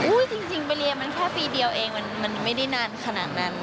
จริงไปเรียนมันแค่ปีเดียวเองมันไม่ได้นานขนาดนั้น